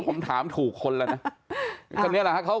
ผมถามถูกคนแล้วนะ